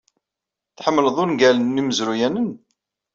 Tḥemmled ungalen imezruyanen?